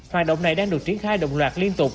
hoạt động này đang được triển khai đồng loạt liên tục